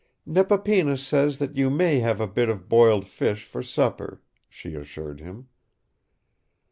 "Nepapinas says that you may have a bit of boiled fish for supper," she assured him.